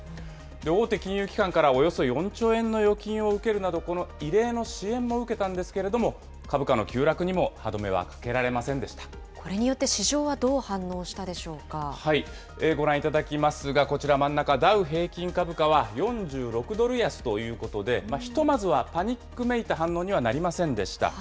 大手金融機関からおよそ４兆円の預金を受けるなど、この異例の支援も受けたんですけれども、株価の急落にも歯止めはかけられませこれによって市場はどう反応ご覧いただきますが、こちら、真ん中、ダウ平均株価は４６ドル安ということで、ひとまずはパニックめいた反応にはなりませんでした。